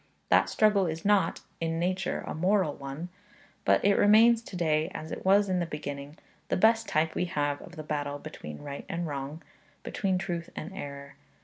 That struggle is not, in nature, a moral one; but it remains to day, as it was in the beginning, the best type we have of the battle between right and wrong, and between truth and error.